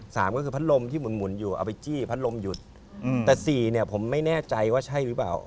สามก็คือพัดลมที่หมุนหุ่นอยู่เอาไปจี้พัดลมหยุดอืมแต่สี่เนี่ยผมไม่แน่ใจว่าใช่หรือเปล่า